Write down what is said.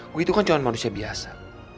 gue itu kan cuma manusia biasa